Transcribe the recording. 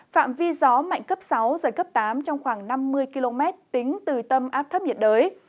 phạm vi gió mạnh cấp sáu giật cấp tám trong khoảng năm mươi km tính từ tâm áp thấp nhiệt đới